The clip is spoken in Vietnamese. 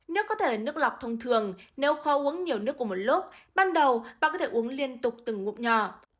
nước có thể là nước lọc thông thường nếu kho uống nhiều nước của một lúc ban đầu bạn có thể uống liên tục từng ngục nhỏ